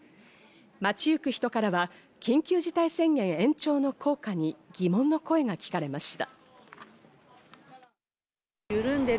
街行く人からは緊急事態宣言延長の効果に疑問の声が聞かれました。